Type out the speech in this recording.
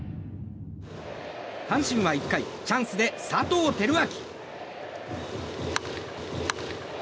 阪神は１回チャンスで佐藤輝明。